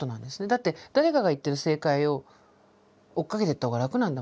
だって誰かが言ってる正解を追っかけてった方が楽なんだもん。